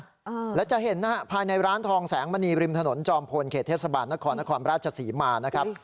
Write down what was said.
เออแล้วจะเห็นนะฮะภายในร้านทองแสงบริมถนนจอมพลเขตเทพสมบัตินครราชสีมานะครับ